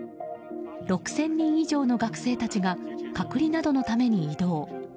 ６０００人以上の学生たちが隔離などのために移動。